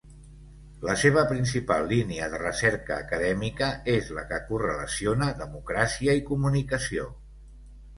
La seva principal línia de recerca acadèmica és la que correlaciona democràcia i comunicació.